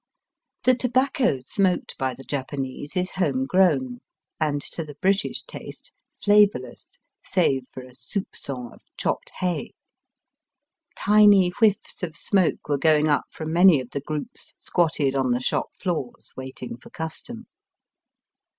The tobacco smoked by the Japanese is home grown, and to the British taste flavourless save for a soupgon of chopped hay. Tiny whiffs of smoke were going up from many of the groups squatted on the shop floors waiting for custom.